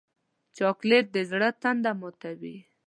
چاکلېټ د زړه تنده ماتوي.